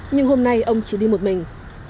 nhưng hôm nay ông chỉ đi một mình